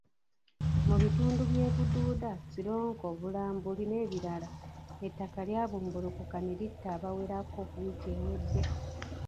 Mu bitundu by'e Bududa, Sironko, Bulambuli n'ebirala ettaka lyabumbulukuka ne litta abawerako wiiki ewedde.